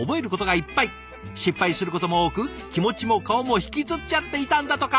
失敗することも多く気持ちも顔も引きつっちゃっていたんだとか。